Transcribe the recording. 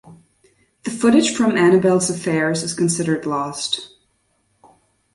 The footage from "Annabelle's Affairs" is considered lost.